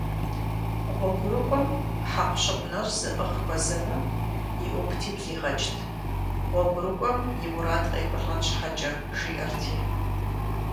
ГъуэгурыкӀуэм хьэкъущыкъу нэщӀ зыӀыгъ хуэзэмэ, иӀубти блигъэкӀт, гъуэгурыкӀуэм и мурад къехъулӀэн щхьэкӀэ, жиӀэрти.